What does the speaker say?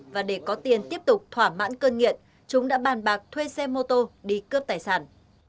và để có tiền tiếp tục thỏa mãn cơn nghiện chúng đã bàn bạc thuê xe mô tô đi cướp tài sản